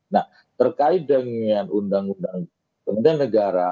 nah terkait dengan undang undang negara